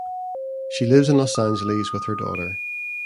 She lives in Los Angeles with her daughter.